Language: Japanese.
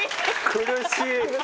苦しい！